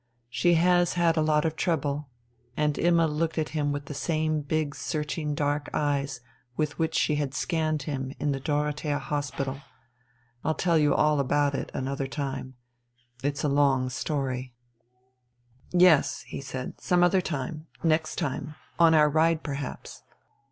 "She has had a lot of trouble." And Imma looked at him with the same big searching dark eyes with which she had scanned him in the Dorothea Hospital. "I'll tell you all about it another time. It's a long story." "Yes," he said. "Some other time. Next time. On our ride perhaps."